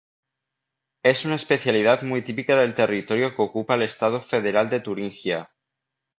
Es una especialidad muy típica del territorio que ocupa el estado federal de Turingia.